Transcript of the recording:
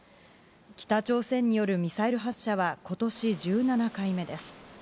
北朝鮮によるミサイル発射は、ことし１７回目です。